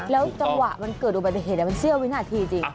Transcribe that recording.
แล้วจังหวะมันเกิดอุบัติเหตุมันเสี้ยววินาทีจริง